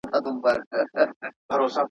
چي شهپر مي تر اسمان لاندي را خپور سي.